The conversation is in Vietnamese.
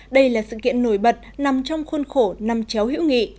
đây là sự kiện nổi bật nằm trong khuôn khổ năm chéo hữu nghị